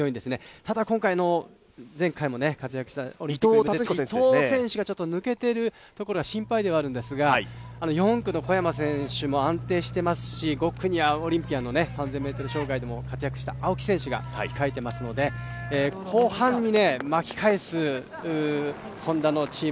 ただ今回は、前回も活躍した伊藤選手が抜けているところは心配ではあるのですが、４区の小山選手も安定していますし５区にはオリンピアの３０００ｍ障害でも活躍した青木選手が控えていますので、後半に巻き返すＨｏｎｄａのチーム